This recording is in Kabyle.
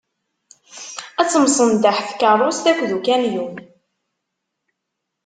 Ad temsenḍaḥ tkerrust akked ukamyun.